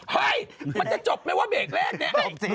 เฮ้ยมันจะจบไหมว่าเบรกแรกเนี่ย